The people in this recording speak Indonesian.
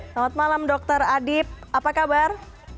selamat malam dr adib apa kabar